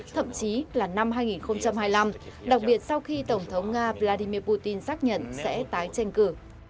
thậm chí là năm hai nghìn hai mươi năm đặc biệt sau khi tổng thống nga vladimir putin xác nhận sẽ tái tranh cử